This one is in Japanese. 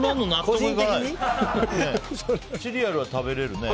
シリアルは食べれるね。